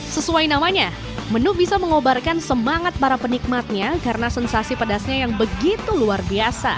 sesuai namanya menu bisa mengobarkan semangat para penikmatnya karena sensasi pedasnya yang begitu luar biasa